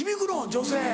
女性。